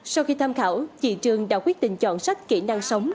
sau khi tham khảo chị trường đã quyết định chọn sách kỹ năng sống